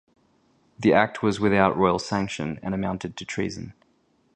The act was without royal sanction, and amounted to treason.